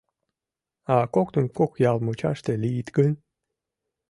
А коктын кок ял мучаште лийыт гын?..